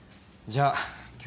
じゃあね。